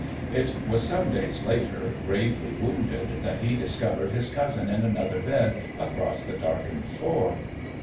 It was some days later, gravely wounded, that he discovered his cousin in another bed across the darkened floor.